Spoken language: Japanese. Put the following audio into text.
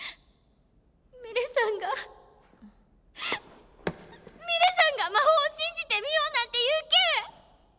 ミレさんがミレさんが魔法を信じてみようなんて言うけえ！